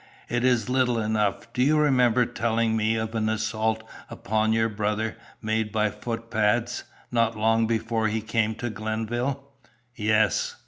It is little enough. Do you remember telling me of an 'assault' upon your brother, made by footpads, not long before he came to Glenville?" "Yes."